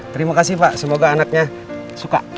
terima kasih pak semoga anaknya suka